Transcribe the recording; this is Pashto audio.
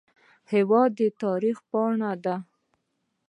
هېواد د تاریخ پاڼه ده.